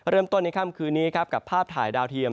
ในค่ำคืนนี้ครับกับภาพถ่ายดาวเทียม